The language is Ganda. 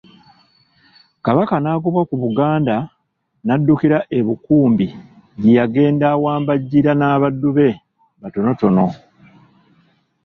Kabaka n'agobwa ku Buganda n'addukira e Bukumbi gye yagenda awambajjira n'abaddu be batonotono.